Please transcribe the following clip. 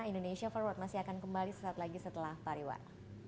indonesia forward masih akan kembali setelah pariwak